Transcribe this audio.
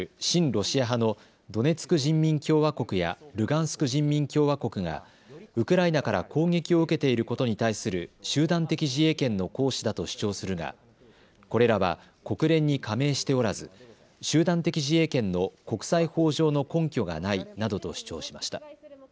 ロシア派のドネツク人民共和国やルガンスク人民共和国がウクライナから攻撃を受けていることに対する集団的自衛権の行使だと主張するがこれらは国連に加盟しておらず集団的自衛権の国際法上の根拠がないなどと主張しました。